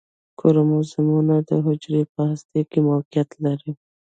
کروموزومونه د حجرې په هسته کې موقعیت لري